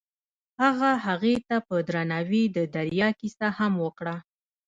هغه هغې ته په درناوي د دریا کیسه هم وکړه.